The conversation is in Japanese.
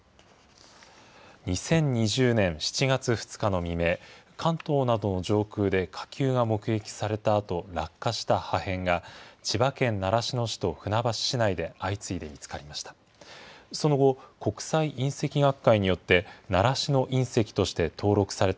２０２０年７月２日の未明、関東などの上空で火球が目撃されたあと、落下した破片が、千葉県習志野市と船橋市内で相次いで見つかりました。